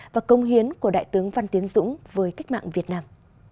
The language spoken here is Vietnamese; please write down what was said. và công hiến của đại tướng văn tiến dũng với cách mạng việt nam